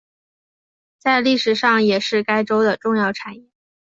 在历史上也是该州的重要产业。